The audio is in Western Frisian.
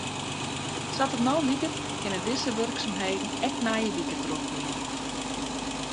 Sa't it no liket kinne dizze wurksumheden ek nije wike trochgean.